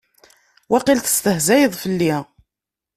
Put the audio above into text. Waqil testehzayeḍ fell-i.